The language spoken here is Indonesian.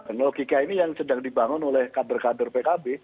dan logika ini yang sedang dibangun oleh kader kader pkb